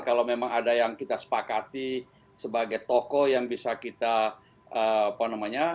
kalau memang ada yang kita sepakati sebagai tokoh yang bisa kita apa namanya